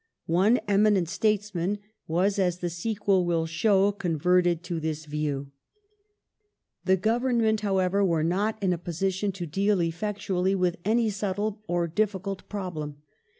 One eminent statesman was, as the sequel will show, converted to this view. The posi The Government, however, were not in a position to deal effectu Ministry ^ ^^^7 ^^^^ ^^J subtle or difficult problem.